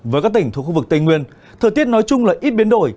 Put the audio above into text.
với các tỉnh thuộc khu vực tây nguyên thời tiết nói chung là ít biến đổi